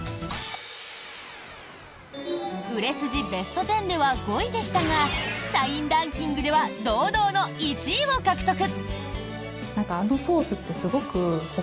売れ筋ベスト１０では５位でしたが社員ランキングでは堂々の１位を獲得！